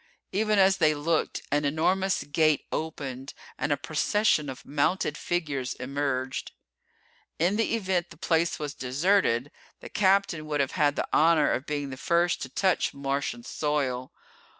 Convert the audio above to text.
Even as they looked an enormous gate opened and a procession of mounted figures emerged. In the event the place was deserted, the Captain would have had the honor of being the first to touch Martian soil.